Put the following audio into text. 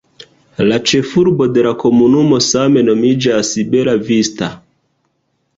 La ĉefurbo de la komunumo same nomiĝas Bella Vista.